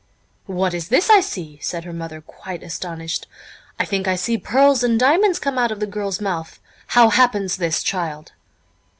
"What is this I see?" said her mother quite astonished, "I think I see pearls and diamonds come out of the girl's mouth! How happens this, child?"